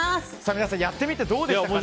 皆さんやってみてどうでしたかね。